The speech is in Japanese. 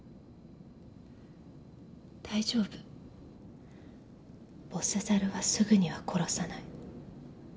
大丈夫ボス猿はすぐには殺さない